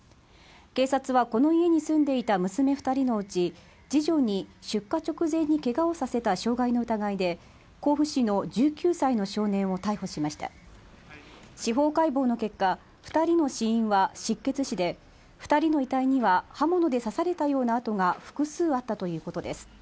警察はこの家に住んでいた娘二人のうち次女に出火直前にけがをさせた傷害の疑いで甲府市の１９歳の少年を逮捕しました司法解剖の結果二人の死因は失血死で二人の遺体には刃物で刺されたような痕が複数あったということです